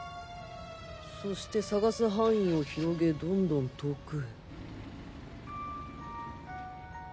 そして探す範囲を広げどんどん遠くへ。